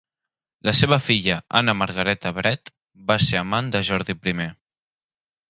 La seva filla, Anna Margaretta Brett, va ser amant de Jordi I.